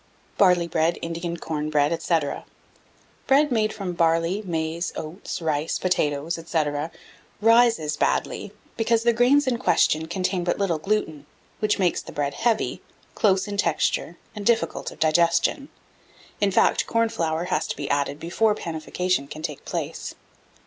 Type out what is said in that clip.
1674. BARLEY BREAD, INDIAN CORN BREAD, &c. Bread made from barley, maize, oats, rice, potatoes, &c. "rises" badly, because the grains in question contain but little gluten, which makes the bread heavy, close in texture, and difficult of digestion; in fact, corn flour has to be added before panification can take place.